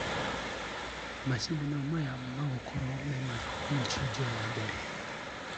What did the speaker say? This competition will be the first elimination round.